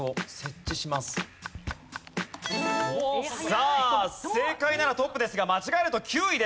さあ正解ならトップですが間違えると９位です。